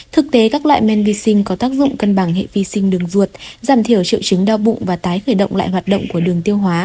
thực tế các loại men vi sinh có tác dụng cân bằng hệ vi sinh đường ruột giảm thiểu triệu chứng đau bụng và tái khởi động lại hoạt động của đường tiêu hóa